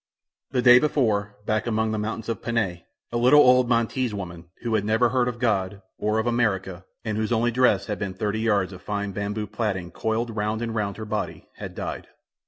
The day before, back among the mountains of Panay, a little old Montese woman, who had never heard of God, or of America, and whose only dress had been thirty yards of fine bamboo plaiting coiled round and round her body, had died.